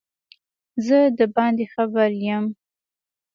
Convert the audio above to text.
زه دباندي خبر یم